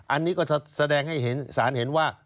อันนี้ก็จะแสดงให้ศาลเห็นว่า